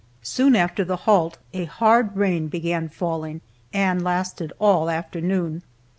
Soon after the halt a hard rain began falling, and lasted all afternoon.